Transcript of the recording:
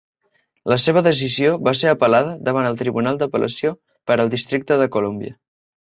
La seva decisió va ser apel·lada davant el Tribunal d'Apel·lació per al Districte de Columbia.